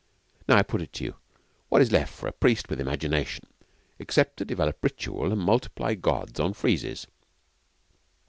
Now, I put it to you, what is left for a priest with imagination, except to develop ritual and multiply gods on friezes?